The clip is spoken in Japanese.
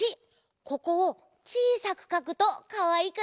ここをちいさくかくとかわいくなるよ。